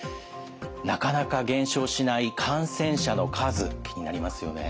なかなか減少しない感染者の数気になりますよね。